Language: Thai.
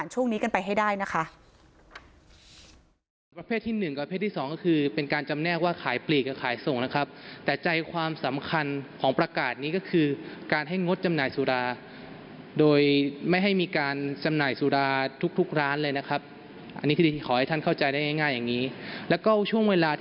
ให้ผ่านช่วงนี้กันไปให้ได้นะคะ